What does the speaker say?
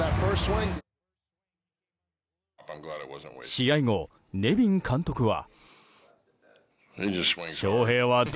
試合後、ネビン監督は。